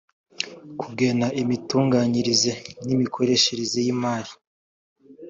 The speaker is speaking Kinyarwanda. kigena imitunganyirize n’ imikoreshereze y’imari